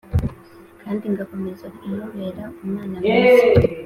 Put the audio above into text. kandi ngakomeza kumubera umwana mwiza."